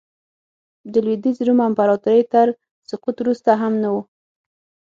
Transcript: د لوېدیځ روم امپراتورۍ تر سقوط وروسته هم نه و